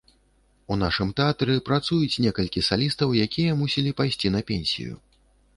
У нашым тэатры працуюць некалькі салістаў, якія мусілі пайсці на пенсію.